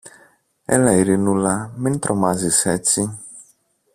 Έλα, Ειρηνούλα, μην τρομάζεις έτσι!